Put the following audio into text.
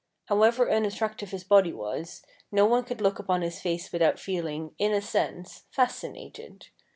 However unattractive his body was, no one could look upon his face without feeling, in a sense, fascinated.